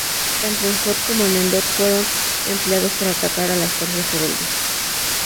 Tanto en Hoth como en Endor fueron empleados para atacar a las fuerzas rebeldes.